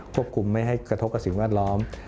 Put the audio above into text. คุมไม่ให้กระทบกับสิ่งแวดล้อม